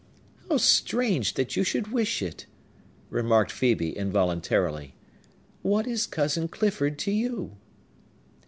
"How strange that you should wish it!" remarked Phœbe involuntarily. "What is Cousin Clifford to you?"